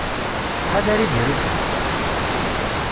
Ttḥadar ivirusen!